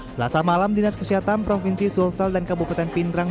selasa malam dinas kesehatan provinsi sulsel dan kabupaten pindrang